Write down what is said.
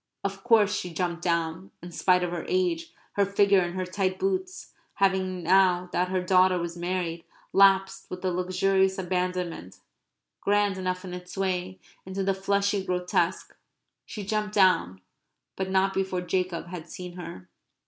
Of course she jumped down, in spite of her age, her figure, and her tight boots having, now that her daughter was married, lapsed with a luxurious abandonment, grand enough in its way, into the fleshy grotesque; she jumped down, but not before Jacob had seen her.